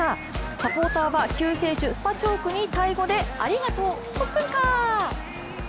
サポーターは、救世主・スパチョークにタイ語でありがとう、コップンカー！